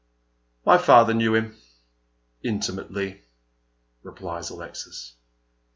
" My father knew him — intimately," replies Alexis.